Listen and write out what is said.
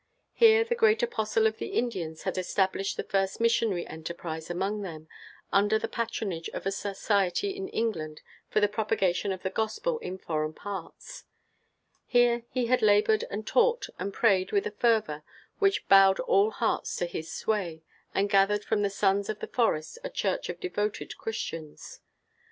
Here the great apostle of the Indians had established the first missionary enterprise among them, under the patronage of a society in England for the propagation of the Gospel in foreign parts; here he had labored and taught and prayed with a fervor which bowed all hearts to his sway, and gathered from the sons of the forest a church of devoted Christians.